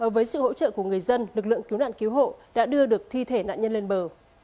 với sự hỗ trợ của người dân lực lượng cứu nạn cứu hộ đã đưa được thi thể nạn nhân lên bờ